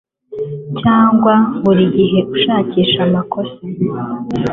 cyangwa buri gihe ushakisha amakosa